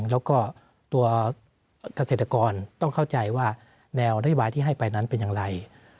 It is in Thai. แล้วก็ตัวเกษตรกรต้องเข้าใจว่าแนวนโยบายที่ให้ไปนั้นเป็นอย่างไร